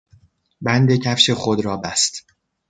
بند کفش خود را بست.